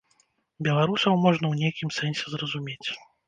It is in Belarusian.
Беларусаў можна ў нейкім сэнсе зразумець.